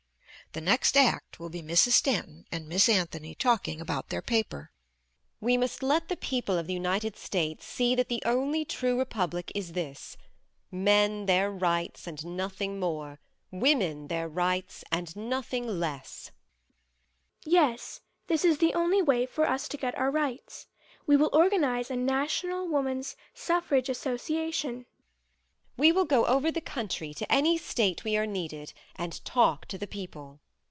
The next act will be Mrs. Stanton and Miss Anthony talking about their paper. MISS STANTON: We must let the people of the United States see that the only True Republic is this "Men their rights and nothing more Women their rights and nothing less." MISS ANTHONY: Yes, this is the only way for us to get our rights. We will organize a National Women's Suffrage Association. MISS STANTON: We will go over the country to any state we are needed and talk to the people.